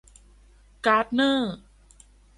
การ์ดเนอร์